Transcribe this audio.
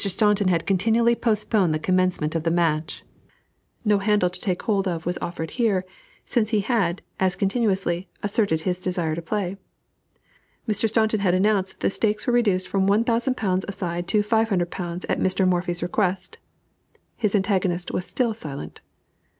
Staunton had continually postponed the commencement of the match: no handle to take hold of was offered here, since he had, as continually, asserted his desire to play. Mr. Staunton had announced that the stakes were reduced from £1,000 a side to £500 at Mr. Morphy's request; his antagonist was still silent.